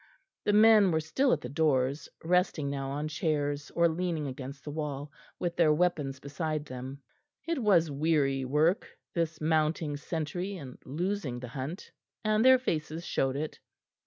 The men were still at the doors, resting now on chairs or leaning against the wall, with their weapons beside them; it was weary work this mounting sentry and losing the hunt, and their faces showed it.